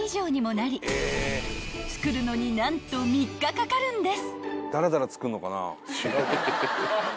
［作るのに何と３日かかるんです］